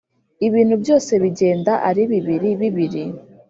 Ibintu byose bigenda ari bibiri bibiri,